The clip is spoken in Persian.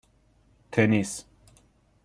تنیس